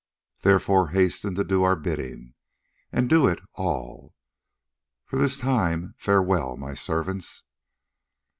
Therefore hasten to do our bidding, and do it all. For this time farewell, my servants."